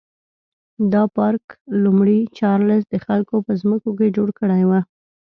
دا پارک لومړي چارلېز د خلکو په ځمکو کې جوړ کړی و.